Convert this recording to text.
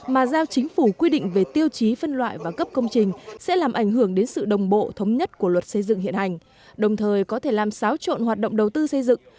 mà giao chính phủ quy định về tiêu chí phân loại và cấp công trình sẽ làm ảnh hưởng đến sự đồng bộ thống nhất của luật xây dựng hiện hành đồng thời có thể làm xáo trộn hoạt động đầu tư xây dựng